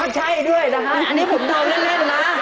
ใช่ด้วยนะฮะอันนี้ผมทำเล่นนะ